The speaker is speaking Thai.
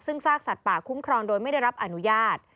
ซึ่งซากสัตว์ป่าคุ้มครองโดยไม่ได้รับอนุญาต